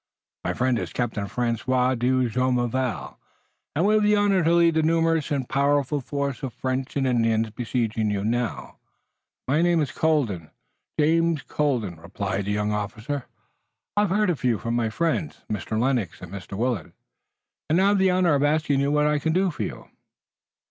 My friend is Captain Francois de Jumonville, and we have the honor to lead the numerous and powerful force of French and Indians now besieging you." "And my name is Colden, Captain James Colden," replied the young officer. "I've heard of you from my friends, Mr. Lennox and Mr. Willet, and I have the honor of asking you what I can do for you."